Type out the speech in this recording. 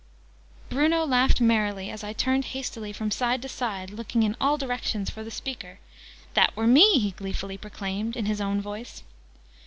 Bruno laughed merrily as I turned hastily from side to side, looking in all directions for the speaker. "That were me!" he gleefully proclaimed, in his own voice.